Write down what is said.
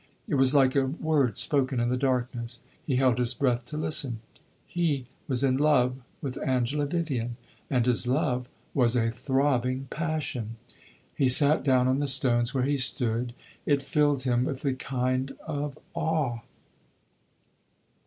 It was like a word spoken in the darkness he held his breath to listen. He was in love with Angela Vivian, and his love was a throbbing passion! He sat down on the stones where he stood it filled him with a kind of awe.